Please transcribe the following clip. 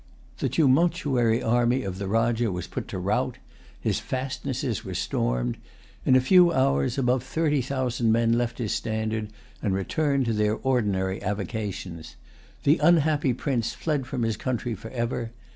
The tumultuary army of the Rajah was put to rout. His fastnesses were stormed. In a few hours, above thirty thousand men left his standard, and returned to their ordinary avocations. The unhappy prince fled from his country forever.